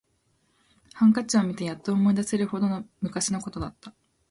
ハンカチを見てやっと思い出せるほど昔のことだった